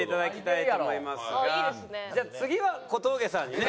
じゃあ次は小峠さんにね。